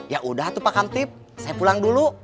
ya udah tuh pak kamtip saya pulang dulu